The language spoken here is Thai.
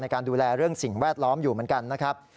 การดูแลเรื่องสิ่งแวดล้อมอยู่เหมือนกันนะครับ